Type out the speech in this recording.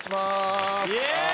イエーイ！